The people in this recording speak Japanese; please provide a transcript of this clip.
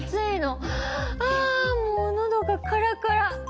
あもうのどがカラカラ。